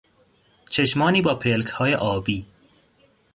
چشمانی با پلکهای آبی